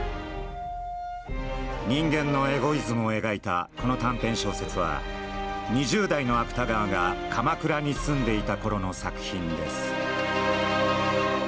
人間のエゴイズムを描いたこの短編小説は２０代の芥川が鎌倉に住んでいたころの作品です。